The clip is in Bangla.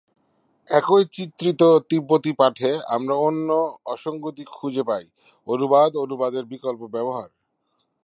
একই চিত্রিত তিব্বতি পাঠে আমরা অন্য অসঙ্গতি খুঁজে পাই: অনুবাদ ও অনুবাদের বিকল্প ব্যবহার।